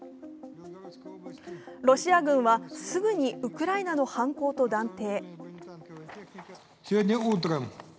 ロシア軍はすぐにウクライナの犯行と断定。